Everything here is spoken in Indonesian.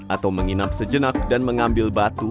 atau menginap sejenak dan mengambil batu